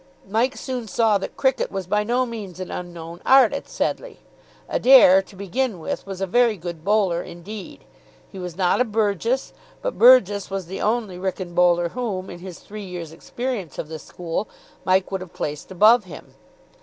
Mike soon saw that cricket was by no means an unknown art at Sedleigh. Adair, to begin with, was a very good bowler indeed. He was not a Burgess, but Burgess was the only Wrykyn bowler whom, in his three years' experience of the school, Mike would have placed above him.